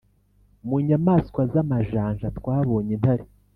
Mu nyamaswa z’amajanja twabonye intare